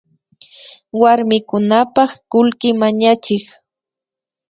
Warmikunapak kullki mañachik